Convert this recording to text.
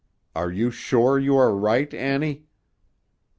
Are you sure you are right, Annie?"